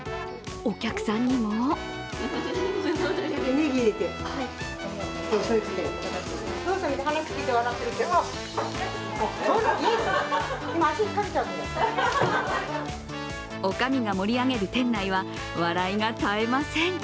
お客さんにもおかみが盛り上げる店内は笑いが絶えません。